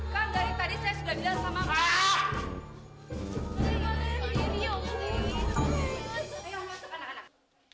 candy dapat di disorders